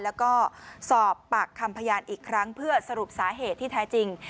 แล้วก็สอบปากคำพยานอีกครั้งเพื่อสรุปสาเหตุที่แท้จริง